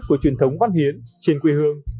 của truyền thống văn hiến trên quê hương